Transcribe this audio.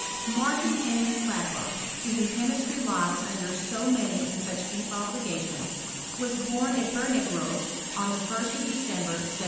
Marun Henry Klaproth, to whom chemistry lies under so many and such deep obligations, was bom ai Wernigerode, on the 1st of December, 1743.